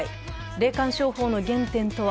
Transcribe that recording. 霊感商法の原点とは。